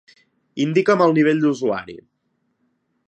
Indica'm el nivell d'usuari.